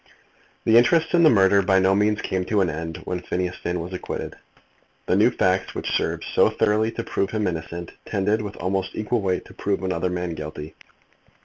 The interest in the murder by no means came to an end when Phineas Finn was acquitted. The new facts which served so thoroughly to prove him innocent tended with almost equal weight to prove another man guilty.